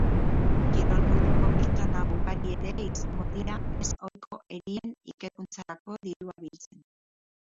Kirol munduko pertsona ugari ere izango dira ez ohiko erien ikerkuntzarako dirua biltzen.